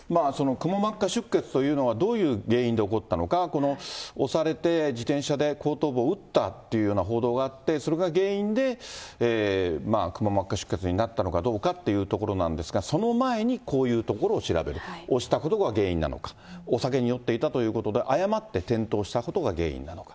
くも膜下出血というのはどういう原因で起こったのか、この押されて自転車で後頭部を打ったというような報道があって、それが原因でくも膜下出血になったのかどうかということなんですが、その前にこういうところを調べる、押したことが原因なのか、お酒に酔っていたということで、誤って転倒したことが原因なのか。